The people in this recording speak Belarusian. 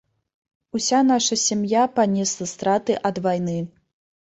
Уся наша сям'я панесла страты ад вайны.